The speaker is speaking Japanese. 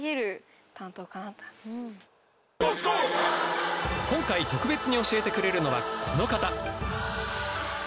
今回特別に教えてくれるのはこの方！